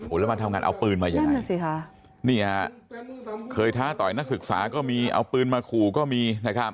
อุลมันทำงานเอาปืนมายังไงนี่ฮะเคยท้าต่อยนักศึกษาก็มี